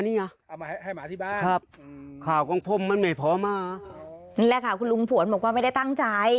นี่แหละค่ะคุณลุงผวนบอกว่าไม่ได้ตั้งใจ